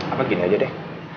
apa gini aja deh